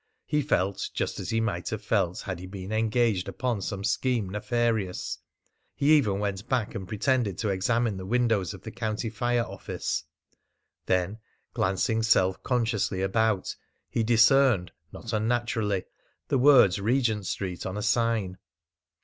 He felt just as he might have felt had he been engaged upon some scheme nefarious. He even went back and pretended to examine the windows of the County Fire Office. Then, glancing self consciously about, he discerned not unnaturally the words "Regent Street" on a sign.